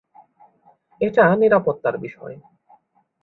এটা নিরাপত্তার বিষয়।